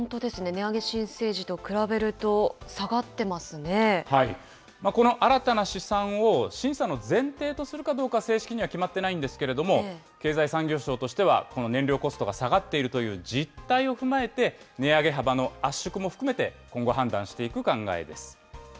値上げ申請時とこの新たな試算を審査の前提とするかどうか、正式には決まってないんですけれども、経済産業省としては、この燃料コストが下がっているという実態を踏まえて、値上げ幅の圧縮も含めて今後、判断していく考えです。